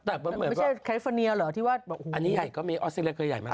แต่เคยมีไม่ใช่แคลิฟอร์เนียเหรอที่ว่าอันนี้ก็มีออสเตรเลียเคยใหญ่มาก